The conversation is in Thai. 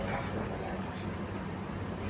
คุณพร้อมกับเต้ย